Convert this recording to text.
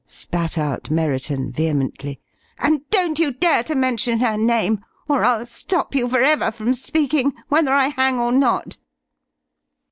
spat out Merriton, vehemently, "and don't you dare to mention her name, or I'll stop you for ever from speaking, whether I hang or not!"